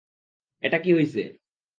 এটা কি হইছে?